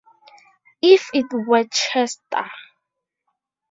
If it were Chester!